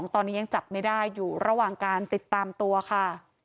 ตอนนี้ยังจับไม่ได้อยู่ระหว่างการติดตามตัวค่ะ